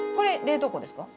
冷凍庫です。